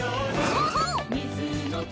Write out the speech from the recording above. そうそう！